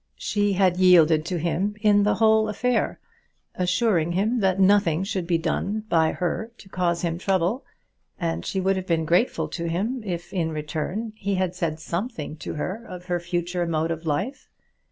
She had yielded to him in the whole affair, assuring him that nothing should be done by her to cause him trouble; and she would have been grateful to him if in return he had said something to her of her future mode of life.